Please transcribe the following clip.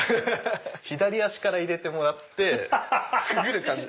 左足から入れてもらってくぐる感じ。